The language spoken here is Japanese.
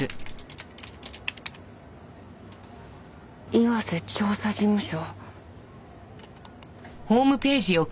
「岩瀬調査事務所」。